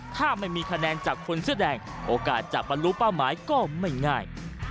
ถ้าไม่มีคะแนนจากคนเสื้อแดงโอกาสจะบรรลุเป้าหมายก็ไม่ง่าย